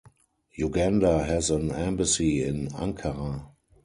Uganda has an embassy in Ankara.